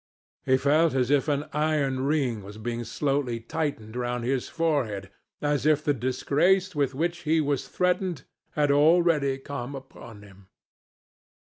He felt as if an iron ring was being slowly tightened round his forehead, as if the disgrace with which he was threatened had already come upon him.